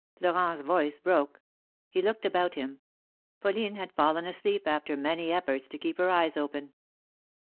'' Florent's voice broke ; he looked about him. Pauline had fallen asleep after many efforts to keep her eyes open.